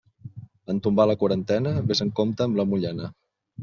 En tombar la quarantena, vés amb compte amb la mullena.